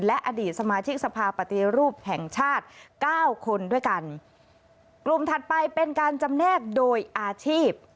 และอดีตสมาชิกสภาปฏิรูปแห่งชาติเก้าคนด้วยกันกลุ่มถัดไปเป็นการจำแนกโดยอาชีพ